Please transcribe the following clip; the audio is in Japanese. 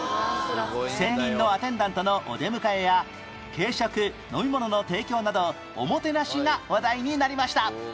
専任のアテンダントのお出迎えや軽食飲み物の提供などおもてなしが話題になりました